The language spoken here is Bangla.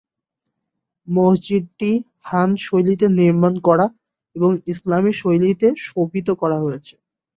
মসজিদটি হান শৈলীতে নির্মাণ করা এবং ইসলামী শৈলীতে শোভিত করা হয়েছে।